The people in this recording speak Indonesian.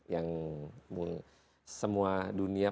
yang semua dunia